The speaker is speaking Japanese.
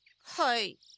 はい。